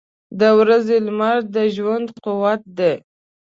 • د ورځې لمر د ژوند قوت دی.